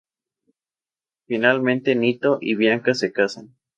Finalmente Nino y Bianca se casan.